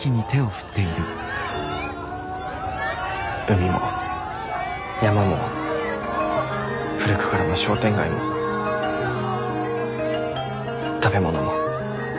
海も山も古くからの商店街も食べ物も。